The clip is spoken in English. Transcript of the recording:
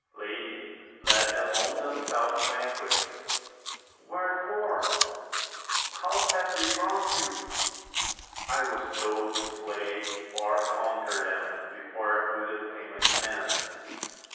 Lady, let them own themselves vanquished.— rWherefore ? how have they wronged you ?— I was told to slay or con quer them before I could obtain my demand.